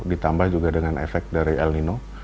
ditambah juga dengan efek dari el nino